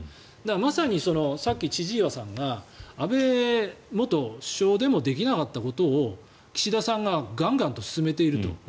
まさにさっき千々岩さんが安倍元首相でもできなかったことを岸田さんがガンガンと進めていると。